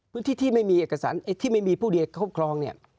พื้นที่ที่ไม่มีเอกสารที่ไม่มีผู้เดียวครอบครองเนี่ย